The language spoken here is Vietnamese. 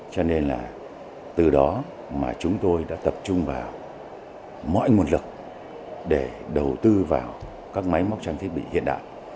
cho nên là từ đó mà chúng tôi đã tập trung vào mọi nguồn lực để đầu tư vào các máy móc trang thiết bị hiện đại